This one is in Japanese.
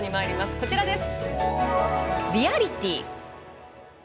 こちらです！